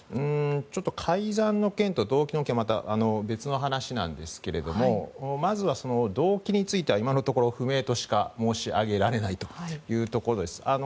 改ざんの件と動機の件は別の話なんですけれどもまずは動機については今のところ不明としか申し上げられないです。